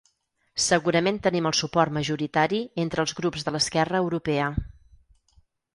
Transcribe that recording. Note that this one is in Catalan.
Segurament tenim el suport majoritari entre els grups de l’esquerra europea.